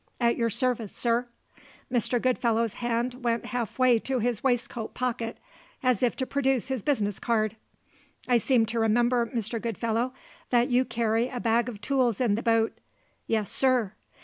"At your service, sir." Mr. Goodfellow's hand went halfway to his waistcoat pocket, as if to produce his business card. "I seem to remember, Mr. Goodfellow that you carry a bag of tools in the boat?" "Yes, sir."